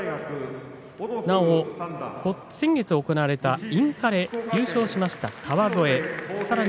なお先月行われたインカレ優勝しました川副さらに